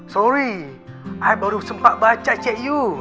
sorry saya baru sempat baca cek you